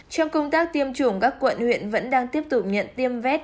trong công tác tiêm chủng các quận huyện vẫn đang tiếp tục nhận tiêm vét